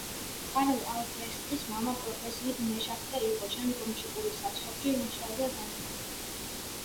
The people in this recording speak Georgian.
კარლ ალბრეხტის მამა პროფესიით მეშახტე იყო, შემდგომში პურის საცხობში მუშაობდა დამხმარედ.